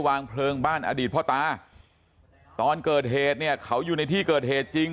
วางเพลิงบ้านอดีตพ่อตาตอนเกิดเหตุเนี่ยเขาอยู่ในที่เกิดเหตุจริง